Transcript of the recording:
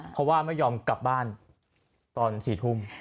เพราะว่าไม่ยอมกลับบ้านตอน๔ทุ่ม